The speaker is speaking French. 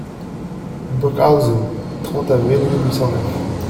Burghausen, trente avril mille huit cent neuf.